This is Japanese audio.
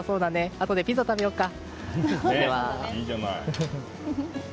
あとでピザ食べようか！